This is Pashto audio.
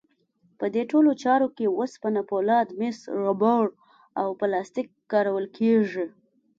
په دې ټولو چارو کې وسپنه، فولاد، مس، ربړ او پلاستیک کارول کېږي.